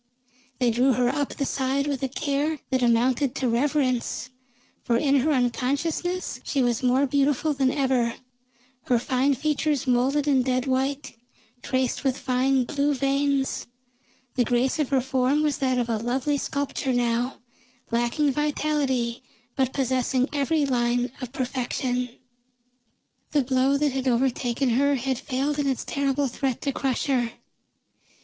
They drew her up the side with a care that amounted to reverence, for in her unconsciousness she was more beautiful than ever, her fine features molded in dead white, traced with fine blue veins; the grace of her form was that of a lovely sculpture now, lacking vitality, but possessing every line of perfection. The blow that had overtaken her had failed in its terrible threat to crush her.